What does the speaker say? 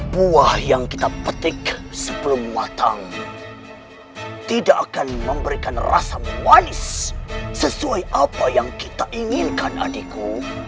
buah yang kita petik sebelum matang tidak akan memberikan rasa manis sesuai apa yang kita inginkan adikku